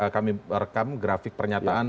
kami merekam grafik pernyataan